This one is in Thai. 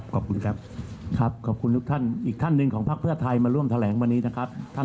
ครับขอบคุณครับ